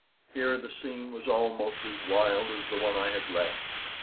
Here the scene was almost as wild as the one I had left.